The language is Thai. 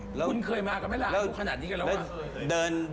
คุณเคยมากับแม่ละอยู่ขนาดนี้กันแล้ว